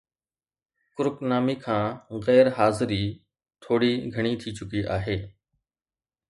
ڪرڪ نامي کان غير حاضري ٿوري گهڻي ٿي چڪي آهي